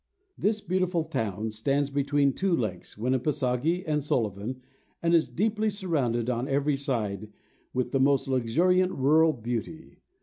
This beautiful town stands between the two lakes Winipiseogee and Sullivan and is deeply surrounded on every side with the most luxuriant rural beauty.